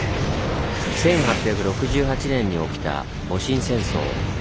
１８６８年に起きた戊辰戦争。